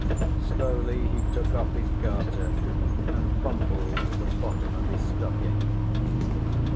Slowly he took off his garter and fumbled to the bottom of his stocking.